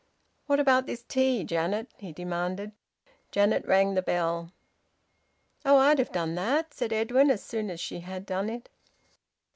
"What about this tea, Janet?" he demanded. Janet rang the bell. "Oh! I'd have done that!" said Edwin, as soon as she had done it.